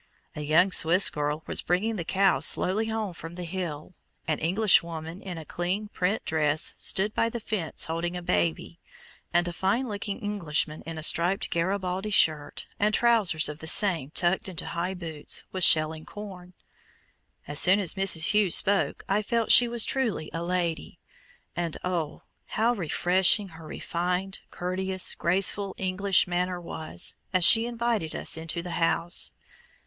A young Swiss girl was bringing the cows slowly home from the hill, an Englishwoman in a clean print dress stood by the fence holding a baby, and a fine looking Englishman in a striped Garibaldi shirt, and trousers of the same tucked into high boots, was shelling corn. As soon as Mrs. Hughes spoke I felt she was truly a lady; and oh! how refreshing her refined, courteous, graceful English manner was, as she invited us into the house!